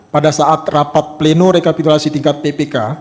pada saat rapat pleno rekapitulasi tingkat ppk